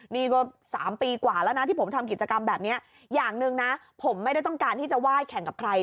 นี่ก็๓ปีกว่าแล้วนะที่ผมทำกิจกรรมแบบนี้อย่างหนึ่งนะผมไม่ได้ต้องการที่จะไหว้แข่งกับใคร